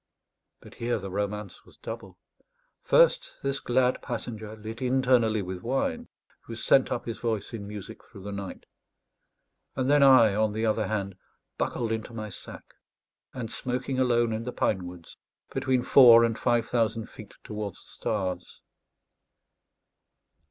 But here the romance was double: first, this glad passenger, lit internally with wine, who sent up his voice in music through the night; and then I, on the other hand, buckled into my sack, and smoking alone in the pine woods between four and five thousand feet towards the stars.